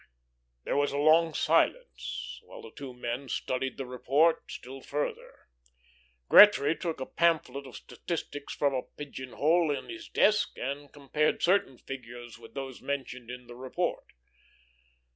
There was a long silence while the two men studied the report still further. Gretry took a pamphlet of statistics from a pigeon hole of his desk, and compared certain figures with those mentioned in the report.